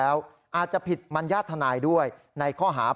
เพราะว่ามีทีมนี้ก็ตีความกันไปเยอะเลยนะครับ